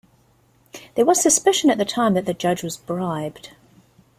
There was suspicion at the time that the Judge was bribed.